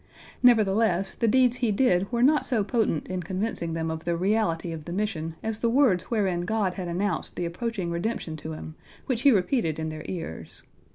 Nevertheless, the deeds he did were not so potent in convincing them of the reality of the mission as the words wherein God had announced the approaching redemption to him, which he repeated in their ears.